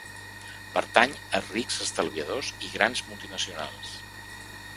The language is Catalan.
Pertany a rics estalviadors i grans multinacionals.